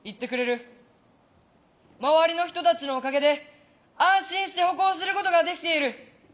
周りの人たちのおかげで安心して歩行することができている。